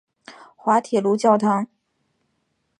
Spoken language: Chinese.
滑铁卢教堂。